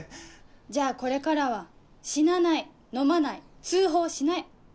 じゃあこれからは死なない飲まない通報しない。